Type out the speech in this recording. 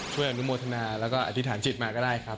อนุโมทนาแล้วก็อธิษฐานจิตมาก็ได้ครับ